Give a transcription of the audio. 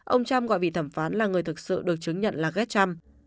ông trump gọi vị thẩm phán là người thực sự được chứng nhận là ghét trump